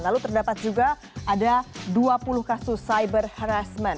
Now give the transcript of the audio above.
lalu terdapat juga ada dua puluh kasus cyber harassment